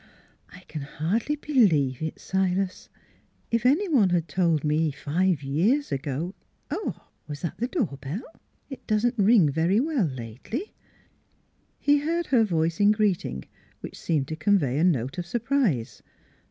" I can hardly believe it, Silas. ... If any one had told me five years ago Hark! Was that the door bell? It doesn't ring very well lately. ...." He heard her voice in greeting, which seemed to convey a note of surprise.